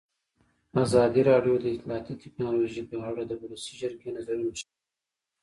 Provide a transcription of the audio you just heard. ازادي راډیو د اطلاعاتی تکنالوژي په اړه د ولسي جرګې نظرونه شریک کړي.